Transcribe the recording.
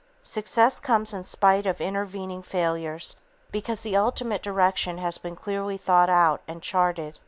Success comes in spite of intervening failures because the ultimate direction has been clearly thought out and charted.